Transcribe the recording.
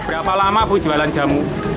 berapa lama bu jualan jamu